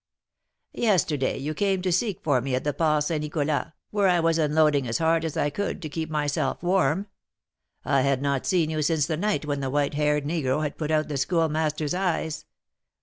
"Yesterday you came to seek for me at the Port St. Nicolas, where I was unloading as hard as I could to keep myself warm. I had not seen you since the night when the white haired negro had put out the Schoolmaster's eyes.